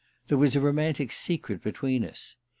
There was a romantic secret between us.